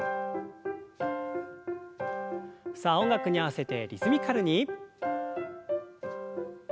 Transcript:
さあ音楽に合わせてリズミカルに。